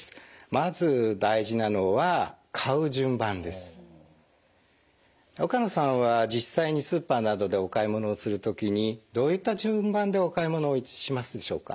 まず大事なのは岡野さんは実際にスーパーなどでお買い物をする時にどういった順番でお買い物をしますでしょうか？